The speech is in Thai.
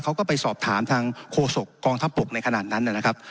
เขาก็ไปสอบถามทางโฆษกองทัพบกในขณะนั้นนะครับ